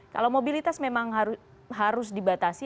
kalau mobilitas memang harus dibatasi